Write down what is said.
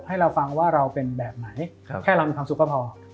ให้เราฟังว่าเราเป็นแบบไหนแค่เรามีความสุขก็พอ